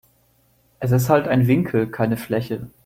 Es ist halt ein Winkel, keine Fläche.